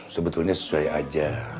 sebetulnya sesuai aja